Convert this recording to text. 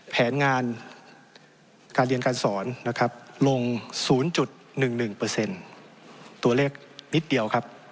แผนงานการเรียนการสอนนะครับลง๐๑๑ตัวเลขนิดเดียวครับ